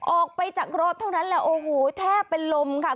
ออกไปจากรถเท่านั้นแหละโอ้โหแทบเป็นลมค่ะ